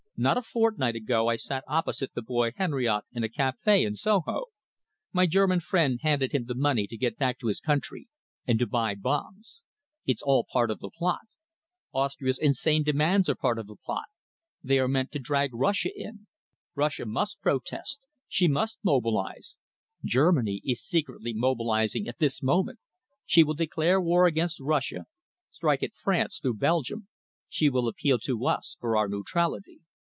Not a fortnight ago I sat opposite the boy Henriote in a café in Soho. My German friend handed him the money to get back to his country and to buy bombs. It's all part of the plot. Austria's insane demands are part of the plot; they are meant to drag Russia in. Russia must protest; she must mobilise. Germany is secretly mobilising at this moment. She will declare war against Russia, strike at France through Belgium. She will appeal to us for our neutrality."